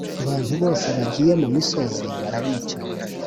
bantu bose bagiye mu misozi barabica